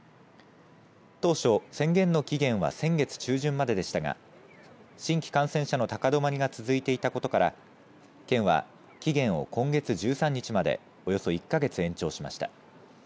当初、宣言の期限は先月中旬まででしたが新規感染者の高止まりが続いていたことから県は期限を、今月１３日までおよそ１か月延長しました。